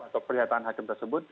atau perlihatan hakim tersebut